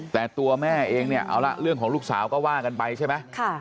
แต่ตัวแม่เองเนี่ยเอาละเรื่องของลูกสาวก็ว่ากันไปใช่ไหม